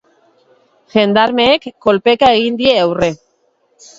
Jendarmeek kolpeka egin die aurre.